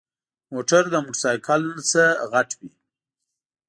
موټر د موټرسايکل نه غټ وي.